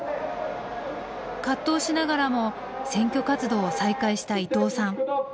葛藤しながらも選挙活動を再開した伊藤さん。